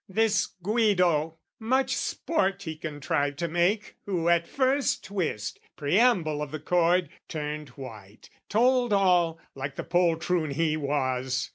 "This Guido, (much sport he contrived to make, "Who at first twist, preamble of the cord, "Turned white, told all, like the poltroon he was!)